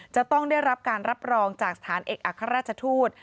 จะต้องได้รับการรับรองจากสถานเอกอัครราชทูต